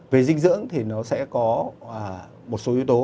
về dinh dưỡng thì nó sẽ có một số yếu tố